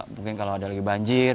mungkin kalau ada lagi banjir